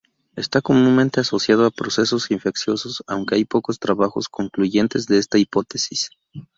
Está comúnmente asociado a procesos infecciosos, aunque hay pocos trabajos concluyentes de esta hipótesis.